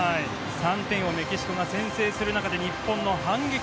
３点をメキシコが先制する中で日本の反撃。